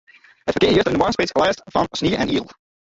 It ferkear hie juster yn de moarnsspits lêst fan snie en izel.